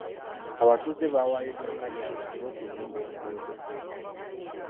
Abatuuze bawaayo ettaka lyabwe ku lw'okuzimba enguudo.